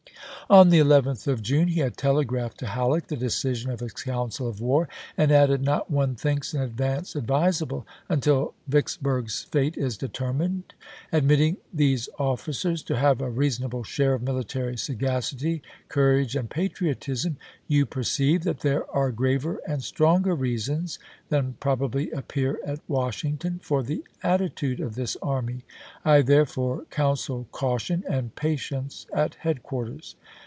On the 11th of June he had telegraphed to Halleck the decision of his council of war, and added: "Not one thinks an advance advisable until Vicksburg's fate is deter mined. Admitting these officers to have a rea sonable share of military sagacity, courage, and patriotism, you perceive that there are graver and stronger reasons than probably appear at Washing ton for the attitude of this army. I therefore counsel cantion and patience at headquarters.